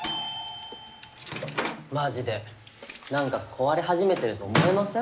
マジで何か壊れ始めてると思いません？